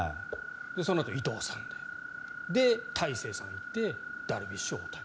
そのあと伊藤さんでで、大勢さんが行ってダルビッシュ、大谷。